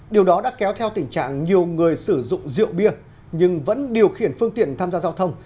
điều đó đã kéo theo tình trạng nhiều người sử dụng rượu bia nhưng vẫn điều khiển phương tiện tham gia giao thông